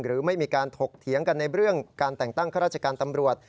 หรือไม่มีการถกเถียงกันในเรื่องการแต่งตั้งข้าราชการตำรวจ